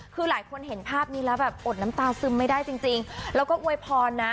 คือหลายคนเห็นภาพนี้แล้วแบบอดน้ำตาซึมไม่ได้จริงแล้วก็อวยพรนะ